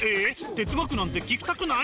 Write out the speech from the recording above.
哲学なんて聞きたくない？